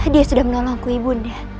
dia sudah menolongku ibu